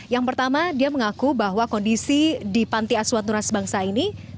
yang pertama dia mengaku bahwa kondisi di panti asuhan nuras bangsa ini